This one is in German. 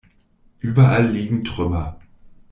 Überall liegen Trümmer.